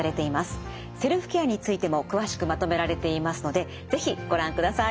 セルフケアについても詳しくまとめられていますので是非ご覧ください。